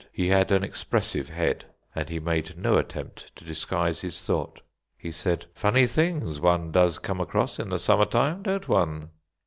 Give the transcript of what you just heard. He had an expressive head, and he made no attempt to disguise his thought. He said: "Funny things one does come across in the summer time, don't one?"